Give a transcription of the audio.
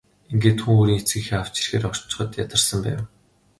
Ингээд хүү өөрийн эцэг эхээ авч ирэхээр очиход ядарсан байв.